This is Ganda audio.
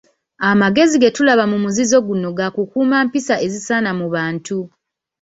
Amagezi ge tulaba mu muzizo guno ga kukuuma mpisa ezisaana mu bantu.